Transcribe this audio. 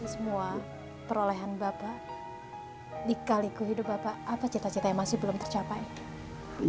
semua perolehan bapak dikali kehidupan bapak apa cita cita yang masih belum tercapai